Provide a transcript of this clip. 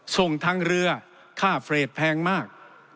ส่งทางเรือค่าเฟรดแพงมาก